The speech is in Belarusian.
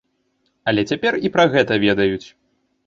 Але цяпер і пра гэта ведаюць.